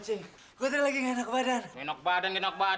ceng gue lagi enak badan enak badan enak badan gue deh gua